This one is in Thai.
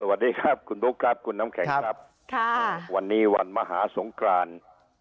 สวัสดีครับคุณบุ๊คครับคุณน้ำแข็งครับค่ะวันนี้วันมหาสงคราน